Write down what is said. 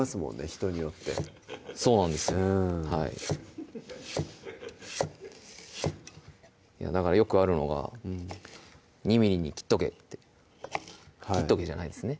人によってそうなんですだからよくあるのが「２ｍｍに切っとけ」って「切っとけ」じゃないですね